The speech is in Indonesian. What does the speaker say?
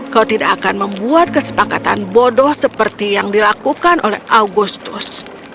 kau tidak akan membuat kesepakatan bodoh seperti yang dilakukan oleh augustus